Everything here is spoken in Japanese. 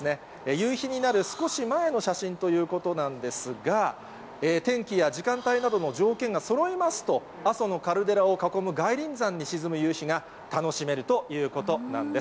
夕日になる少し前の写真ということなんですが、天気や時間帯などの条件がそろいますと、阿蘇のカルデラを囲む外輪山に沈む夕日が楽しめるということなんです。